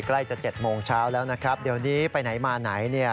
ใกล้จะ๗โมงเช้าแล้วนะครับเดี๋ยวนี้ไปไหนมาไหนเนี่ย